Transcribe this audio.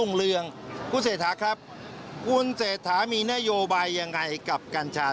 เมื่อคุณไม่สนับสนุนการช่า